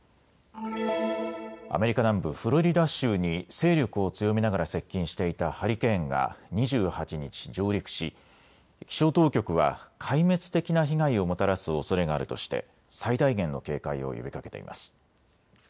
アメリカ南部フロリダ州に勢力を強めながら接近していたハリケーンが２８日、上陸し気象当局は壊滅的な被害をもたらすおそれがあるとして最大限の警戒を呼びかけています。